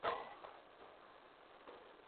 Funguje zde technická univerzita.